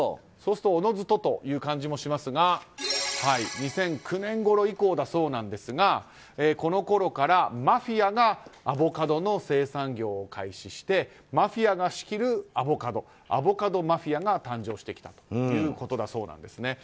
そうするとおのずとという感じもしますが２００９年以降からだそうですがこのころからマフィアがアボカドの生産業を開始してマフィアが仕切るアボカドアボカドマフィアが誕生してきたということだそうです。